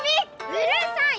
うるさい！